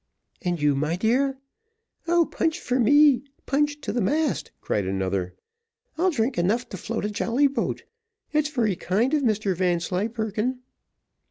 "And you, my dear?" "O, punch for me punch to the mast," cried another. "I'll drink enough to float a jolly boat. It's very kind of Mr Vanslyperken."